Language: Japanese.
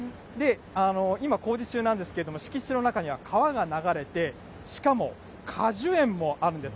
今、工事中なんですけれども、敷地の中には川が流れて、しかも果樹園もあるんです。